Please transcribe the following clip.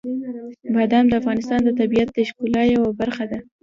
بادام د افغانستان د طبیعت د ښکلا یوه برخه ده.